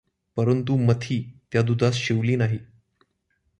परंतु मथी त्या दुधास शिवली नाही.